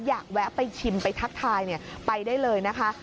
แวะไปชิมไปทักทายไปได้เลยนะคะ